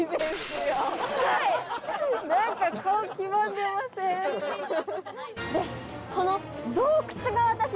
何か顔黄ばんでません？